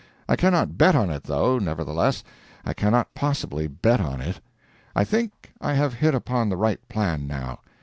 I cannot bet on it, though, nevertheless—I cannot possibly bet on it. I think I have hit upon the right plan, now.